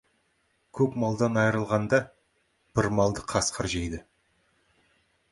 Көп малдан айырылғанда, бір малды қасқыр жейді.